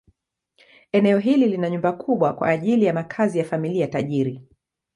Eneo hili lina nyumba kubwa kwa ajili ya makazi ya familia tajiri.